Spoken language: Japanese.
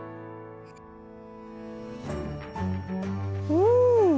うん。